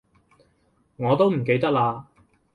我都唔記得喇